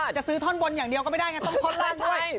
จะซื้อท่อนบนอย่างเดียวก็ไม่ได้ไงต้องท่อนล่างด้วย